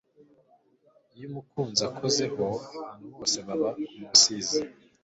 Iyo umukunzi akozeho, abantu bose baba umusizi. ”